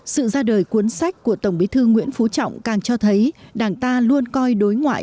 sự ra đời cuốn sách của tổng bí thư nguyễn phú trọng càng cho thấy đảng ta luôn coi đối ngoại